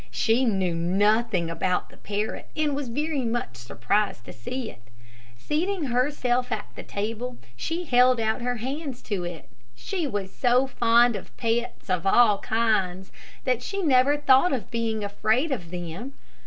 She knew nothing about the parrot and was very much surprised to see it. Seating herself at the table, she held out her hands to it. She was so fond of pets of all kinds, that she never thought of being afraid of them.